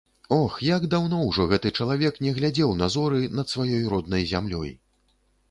Ох, як даўно ўжо гэты чалавек не глядзеў на зоры над сваёй роднай зямлёй!